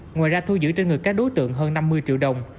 ngoài ra thu giữ trên người các đối tượng hơn năm mươi triệu đồng